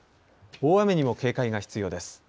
大雨にも警戒が必要です。